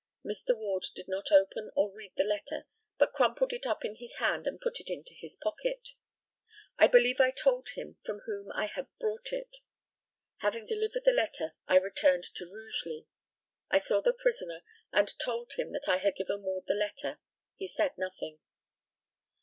Mr. Ward did not open or read the letter, but crumpled it up in his hand and put it into his pocket. I believe I told him from whom I had brought it. Having delivered the letter, I returned to Rugeley. I saw the prisoner, and told him that I had given Ward the letter. He said nothing.